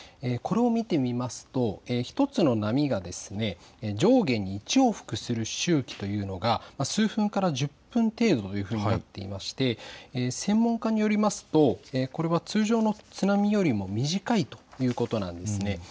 これを見てみますと、１つの波が上下に１往復する周期というのが数分から１０分程度というふうになっていまして専門家によりますとこれは通常の津波よりも短いということなんです。